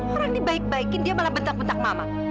orang ini baik baikin dia malah bentang bentang mama